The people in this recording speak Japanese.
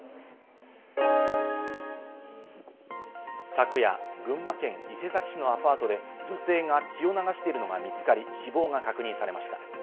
昨夜、群馬県伊勢崎市のアパートで女性が血を流しているのが見つかり死亡が確認されました。